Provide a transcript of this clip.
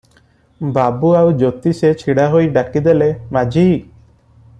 ବାବୁ ଆଉ ଜ୍ୟୋତିଷେ ଛିଡ଼ା ହୋଇ ଡାକିଦେଲେ, "ମାଝି!"